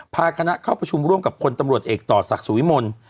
พาคณะเข้าประชุมร่วมกับคนตำรวจเอกต่อศักดิ์สุวิมล